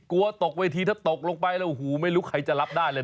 กลัวตกเวทีถ้าตกลงไปแล้วไม่รู้ใครจะรับได้เลย